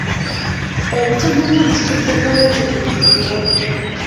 Obutamanya busudde bangi mu buzibu.